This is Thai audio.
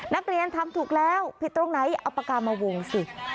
นักเรียนทำถูกแล้วผิดตรงไหนเอาปากกามาวงสิ